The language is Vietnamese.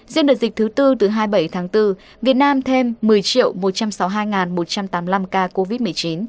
riêng đợt dịch thứ tư từ hai mươi bảy tháng bốn việt nam thêm một mươi một trăm sáu mươi hai một trăm tám mươi năm ca covid một mươi chín